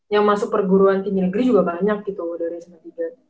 yang masuk perguruan tinggi negeri juga banyak gitu loh dari sma tiga